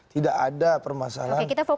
tidak ada permasalahan